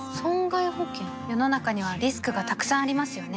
世の中にはリスクがたくさんありますよね